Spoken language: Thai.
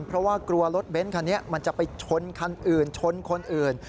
เพราะว่ากลัวรถเบ้นคันนี้มันจะไปชนคันอื่นชนคนอื่น